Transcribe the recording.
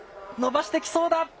伸ばしてきそうだ。